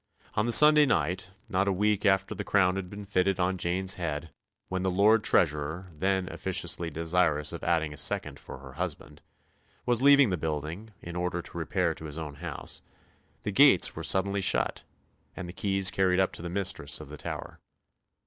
On the Sunday night not a week after the crown had been fitted on Jane's head when the Lord Treasurer, then officiously desirous of adding a second for her husband, was leaving the building in order to repair to his own house, the gates were suddenly shut and the keys carried up to the mistress of the Tower.